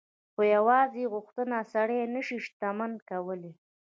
خو يوازې غوښتنه سړی نه شي شتمن کولای.